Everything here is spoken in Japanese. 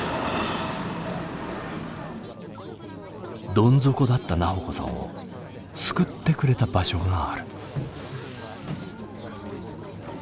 どん底だった菜穂子さんを救ってくれた場所がある。